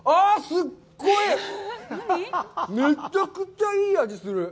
すっごい、めちゃくちゃいい味する！